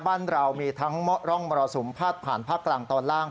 บ้านเรามีทั้งร่องมรสุมพาดผ่านภาคกลางตอนล่าง